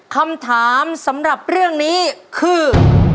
คำถามสำหรับเรื่องนี้คือ